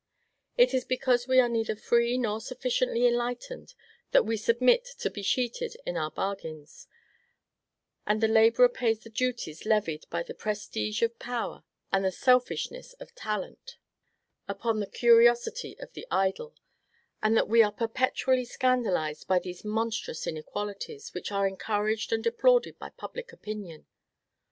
It is because we are neither free nor sufficiently enlightened, that we submit to be cheated in our bargains; that the laborer pays the duties levied by the prestige of power and the selfishness of talent upon the curiosity of the idle, and that we are perpetually scandalized by these monstrous inequalities which are encouraged and applauded by public opinion.